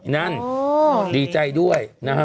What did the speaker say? นั่นดีใจด้วยนะครับ